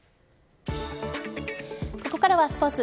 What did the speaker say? ここからはスポーツ。